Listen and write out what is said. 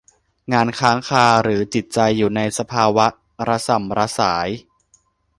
งานค้างคาหรือจิตใจอยู่ในสภาวะระส่ำระสาย